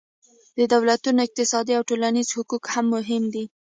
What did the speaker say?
د دولتونو اقتصادي او ټولنیز حقوق هم مهم دي